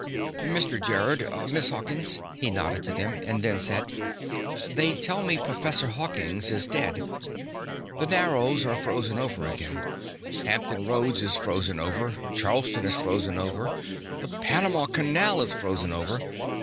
"Mr. Gerrod, Miss Hawkins," he nodded to them, and then said: "They tell me Professor Hawkins is dead. The Narrows are frozen over again. Hampton Roads is frozen over. Charleston is frozen over. The Panama Canal is frozen over!